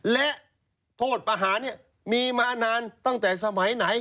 และโทษประหารมีมานานตั้งแต่สมัยไหน